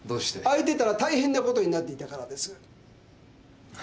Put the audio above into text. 開いてたら大変なことになっていたからです。